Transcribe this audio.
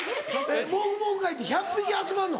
モフモフ会って１００匹集まんの？